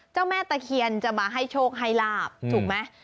เจ้าแม่ตะเคียนจะมาให้โชคไฮราบถูกไหม